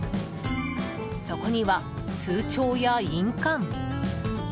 そこには、通帳や印鑑。